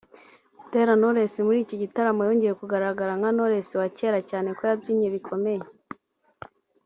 Butera knowless muri iki gitaramo yongeye kugaragara nka Knowless wa cyera cyane ko yabyinnye bikomeye